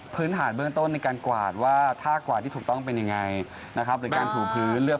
เพราะว่าตัวเองตอนนี้หุ่น